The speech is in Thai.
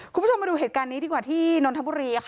คุณผู้ชมมาดูเหตุการณ์นี้ดีกว่าที่นนทบุรี